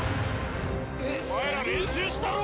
お前ら練習したろ！